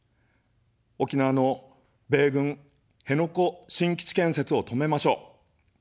沖縄の米軍辺野古新基地建設を止めましょう。